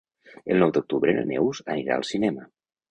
El nou d'octubre na Neus anirà al cinema.